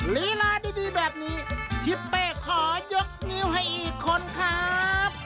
ลีลาดีแบบนี้ทิศเป้ขอยกนิ้วให้อีกคนครับ